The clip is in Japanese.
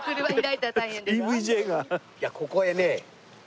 いやここへね